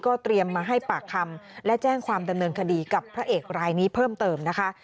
เตรียมมาให้ปากคำและแจ้งความดำเนินคดีกับพระเอกรายนี้เพิ่มเติมนะคะ